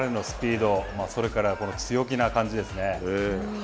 完全に彼のスピードそれから強気な感じですね。